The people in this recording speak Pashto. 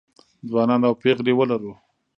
ځوانان او پېغلې ولرو